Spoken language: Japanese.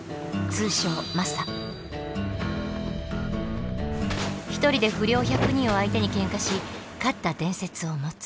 通称１人で不良１００人を相手にケンカし勝った伝説を持つ。